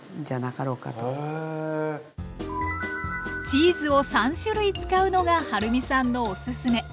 チーズを３種類使うのがはるみさんのおすすめ。